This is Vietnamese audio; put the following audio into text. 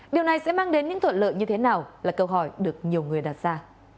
điều này sẽ mang đến những thuận lợi như thế nào là câu hỏi được nhiều người đặt ra